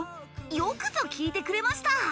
よくぞ聞いてくれました。